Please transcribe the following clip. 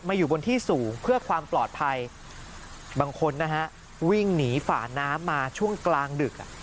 อยู่บนที่สูงเพื่อความปลอดภัยบางคนนะฮะวิ่งหนีฝาน้ำมาช่วงกลางดึก